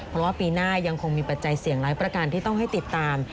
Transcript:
เพราะว่าปีหน้ายังคงมีปัจจัยเสี่ยงหลายประการที่ต้องให้ติดตาม